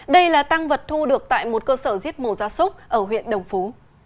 đây là tăng vật thu được tại một cơ sở giết mồ da súc ở huyện đồng phú